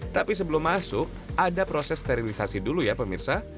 tapi sebelum masuk ada proses sterilisasi dulu ya pemirsa